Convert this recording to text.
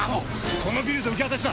このビルで受け渡しだ。